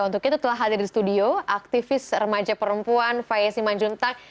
untuk itu telah hadir di studio aktivis remaja perempuan faye simanjuntak